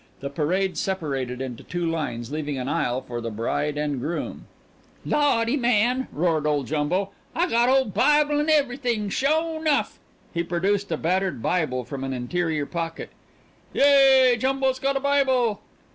The parade separated into two lines, leaving an aisle for the bride and groom. "Lawdy, man," roared Jumbo, "Ah got ole Bible 'n' ev'ythin', sho nuff." He produced a battered Bible from an interior pocket. "Yea! Jumbo's got a Bible!"